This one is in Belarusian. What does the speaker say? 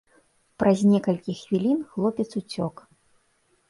Праз некалькі хвілін хлопец уцёк.